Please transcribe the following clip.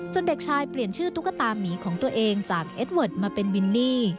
เด็กชายเปลี่ยนชื่อตุ๊กตามีของตัวเองจากเอสเวิร์ดมาเป็นวินนี่